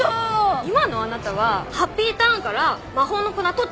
今のあなたはハッピーターンから魔法の粉取っちゃった感じなのね。